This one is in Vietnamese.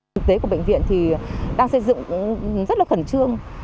thực tế của bệnh viện thì đang xây dựng rất là khẩn trương